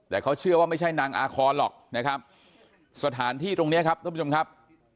แต่เขาเชื่อว่าไม่ใช่นางอาคอนหรอกนะครับสถานที่ตรงเนี้ยครับท่านผู้ชมครับ